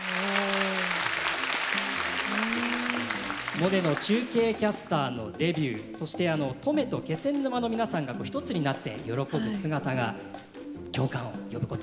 モネの中継キャスターのデビューそして登米と気仙沼の皆さんが一つになって喜ぶ姿が共感を呼ぶ形になりましたね。